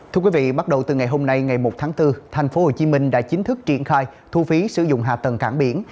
thưa quý vị bắt đầu từ ngày hôm nay ngày một tháng bốn tp hcm đã chính thức triển khai thu phí sử dụng hạ tầng cảng biển